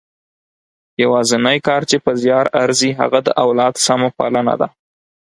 یوازنۍ کار چې په زیار ارزي هغه د اولاد سمه پالنه ده.